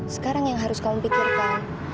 sekarang yang harus kau pikirkan